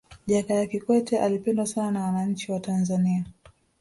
jakaya kikwete alipendwa sana na wananchi wa tanzania